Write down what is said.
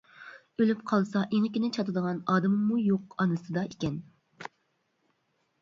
ئۆلۈپ قالسا ئېڭىكىنى چاتىدىغان ئادىمىمۇ يوق ئانىسىدا ئىكەن.